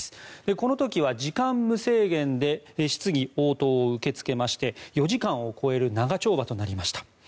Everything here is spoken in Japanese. この時は、時間無制限で質疑応答を受け付けまして４時間を超える長丁場となりました。